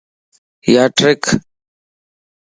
ياٽرک